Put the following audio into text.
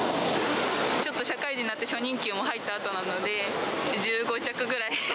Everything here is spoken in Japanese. ちょっと社会人になって、初任給も入ったあとなので、１５着ぐらい。